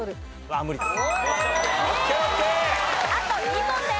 あと２問です。